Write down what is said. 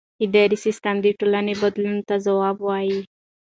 اداري سیستم د ټولنې بدلون ته ځواب وايي.